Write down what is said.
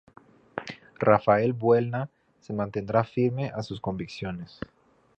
Rafael Buelna se mantendrá firme a sus convicciones.